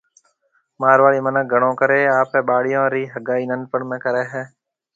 مارواڙي مِنک گھڻو ڪرَي آپرَي ٻاݪون رِي ھگائي ننڊپڻ ۾ ڪرَي ھيَََ